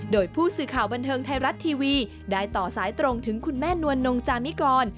โดยผู้สื่อข่าวบันเทิงไทยรัฐทีวีได้ต่อสายตรงถึงคุณแม่นวลนงจามิกร